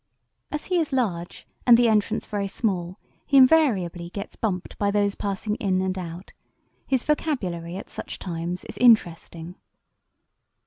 As he is large and the entrance very small, he invariably gets bumped by those passing in and out. His vocabulary at such times is interesting.